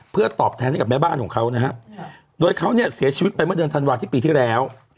เพื่อตอบแทนให้กับแม่บ้านของเขานะฮะโดยเขาเนี่ยเสียชีวิตไปเมื่อเดือนธันวาที่ปีที่แล้ว